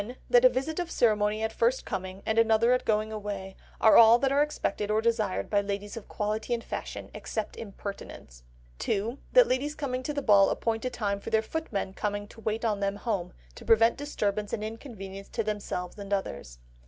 That a visit of ceremony at first coming, and another at going away, are all that are expected or desired by ladies of quality and fashion—except impertinents. 2. That ladies coming to the ball appoint a time for their footmen coming to wait on them home, to prevent disturbance and inconvenience to themselves and others.